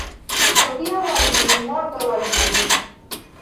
Hodiaŭ al mi, morgaŭ al vi.